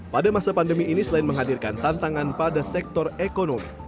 pada masa pandemi ini selain menghadirkan tantangan pada sektor ekonomi